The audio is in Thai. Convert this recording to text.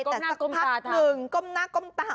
แต่สักพักหนึ่งก้มหน้าก้มตา